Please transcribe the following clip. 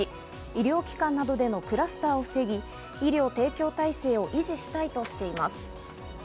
医療機関などのクラスターを防ぎ、医療提供体制を維持したいとしています。